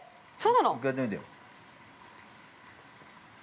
１回やってみてよ。